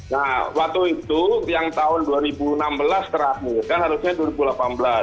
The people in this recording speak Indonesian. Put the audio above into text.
nah waktu itu yang tahun dua ribu enam belas terakhir kan harusnya dua ribu delapan belas